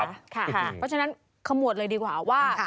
เพราะฉะนั้นขมวดเลยดีกว่าว่า